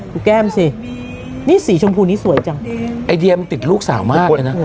แก้มสินี่สีชมพูนี้สวยจังไอเดียมันติดลูกสาวมากเลยนะ